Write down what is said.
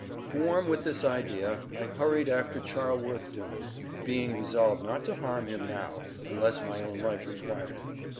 Warm with this idea, I hurried after Charleworth Doone, being resolved not to harm him now, unless my own life required it.